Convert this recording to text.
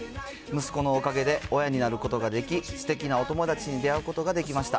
息子のおかげで親になることができ、すてきなお友達に出会うことができました。